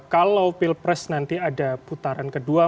kalau pilpres nanti ada putaran kedua